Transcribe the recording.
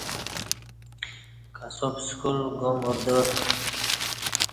کساب سکال با گا مردار بے